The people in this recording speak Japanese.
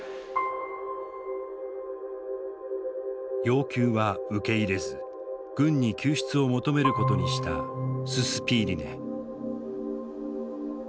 要求は受け入れず軍に救出を求めることにしたススピーリネ。